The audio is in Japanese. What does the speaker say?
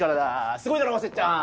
すごいだろせっちゃん。